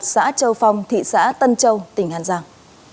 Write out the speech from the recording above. xã châu phong thị xã tân châu tỉnh an giang